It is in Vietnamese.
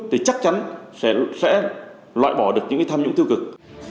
thì chắc chắn sẽ loại bỏ được những cái tham nhũng tiêu cực